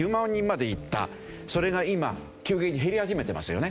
それが今急激に減り始めてますよね。